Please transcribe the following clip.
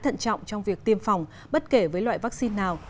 nó vẫn khá thận trọng trong việc tiêm phòng bất kể với loại vaccine nào